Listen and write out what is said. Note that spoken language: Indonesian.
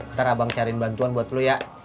ntar abang cari bantuan buat lo ya